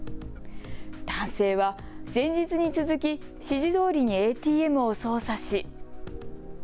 男性は前日に続き指示どおりにＡＴＭを操作し。